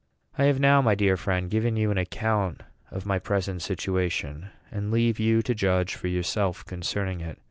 I have now, my dear friend, given you an account of my present situation, and leave you to judge for yourself concerning it.